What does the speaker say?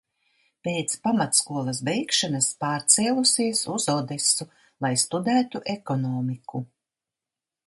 Pēc pamatskolas beigšanas pārcēlusies uz Odesu, lai studētu ekonomiku.